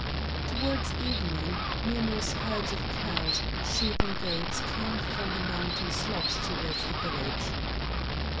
Towards evening, numerous herds of cows, sheep, and goats came from the mountain slopes towards the village.